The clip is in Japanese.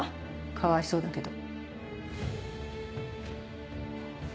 かわいそうだけど。